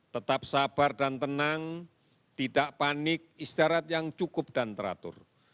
tetap sabar dan tenang tidak panik istirahat yang cukup dan teratur